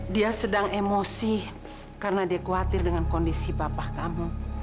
dia sedang emosi karena dia khawatir dengan kondisi bapak kamu